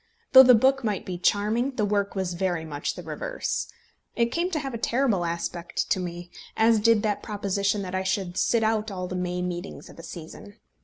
Though the book might be charming, the work was very much the reverse. It came to have a terrible aspect to me, as did that proposition that I should sit out all the May meetings of a season.